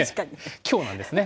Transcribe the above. きょうなんですね。